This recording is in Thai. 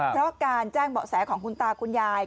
เพราะการแจ้งเบาะแสของคุณตาคุณยาย